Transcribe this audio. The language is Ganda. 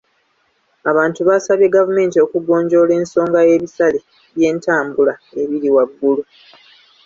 Abantu baasabye gavumenti okugonjoola ensonga y'ebisale by'entambula ebiri waggulu.